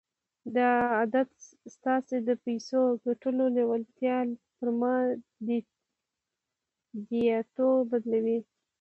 دا عادت ستاسې د پيسو ګټلو لېوالتیا پر ماديياتو بدلوي.